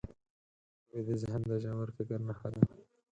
ویده ذهن د ژور فکر نښه ده